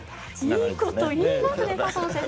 いいこと言いますね佐藤先生！